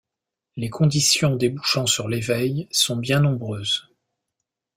Les conditions débouchant sur l'Éveil sont bien nombreuses.